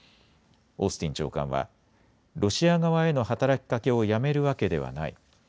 オースティン長官はロシア側への働きかけをやめるわけではない。